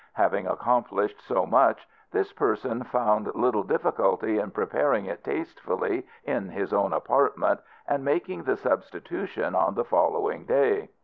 Having accomplished so much, this person found little difficulty in preparing it tastefully in his own apartment, and making the substitution on the following day.